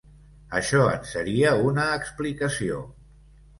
Això en seria una explicació.